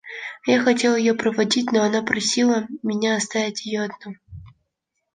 Я хотел ее проводить, но она просила меня оставить ее одну.